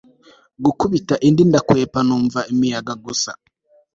gikubita indi ndakwepa numva imiyaga gusa